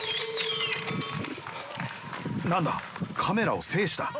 何だカメラを制した。